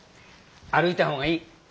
歩いたほうがいい。